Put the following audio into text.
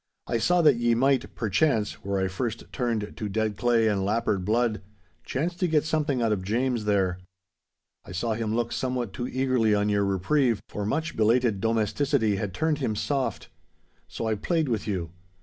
I saw that ye might, perchance, were I first turned to dead clay and lappered blood, chance to get something out of James there. I saw him look somewhat too eagerly on your reprieve, for much belated domesticity had turned him soft. So I played with you.